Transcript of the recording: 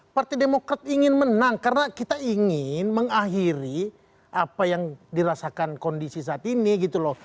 partai demokrat ingin menang karena kita ingin mengakhiri apa yang dirasakan kondisi saat ini gitu loh